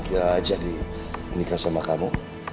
ya jadi menikah sama kamu